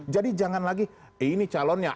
jadi jangan lagi eh ini calonnya